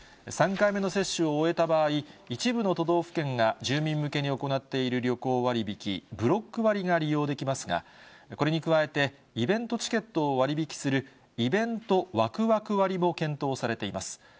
３回目の接種を終えた場合、一部の都道府県が住民向けに行っている旅行割引、ブロック割が利用できますが、これに加えてイベントチケットを割引するイベントワクワク割も検討されています。